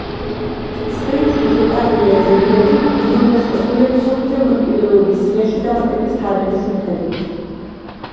ცხრილში შეტანილია ძეგლები, იუნესკოს მიერ მსოფლიო მემკვიდრეობის სიაში დამატების თარიღის მიხედვით.